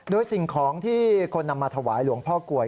โดยสิ่งของที่คนนำมาถวายหลวงพ่อกลวย